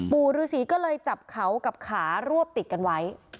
ปู่ฤษีก็เลยจับเขากับขารวบติดกันไว้